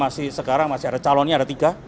masih sekarang masih ada calonnya ada tiga